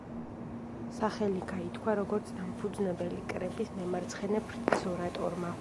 სახელი გაითქვა, როგორც დამფუძნებელი კრების მემარცხენე ფრთის ორატორმა.